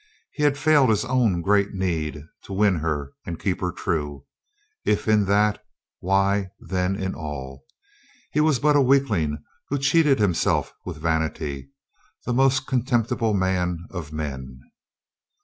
He had failed his own great need, to win her and keep her true. If in that, why, then in all. He was but a weakling, who cheated himself with vanity — that most contemptible man of men.